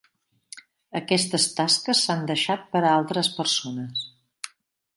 Aquestes tasques s'han deixat per a altres persones.